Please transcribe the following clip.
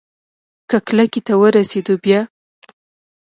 که کلکې ته ورسېدو بيا؟